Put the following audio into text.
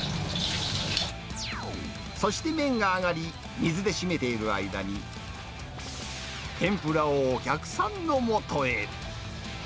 そして麺が上がり、水で締めている間に、天ぷらをお客さんのもとへ。